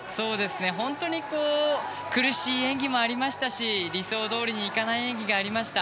本当に苦しい演技もありましたし理想どおりにいかない演技がありました。